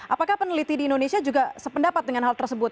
apakah peneliti di indonesia juga sependapat dengan hal tersebut